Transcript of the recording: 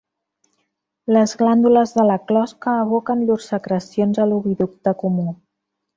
Les glàndules de la closca aboquen llurs secrecions a l'oviducte comú.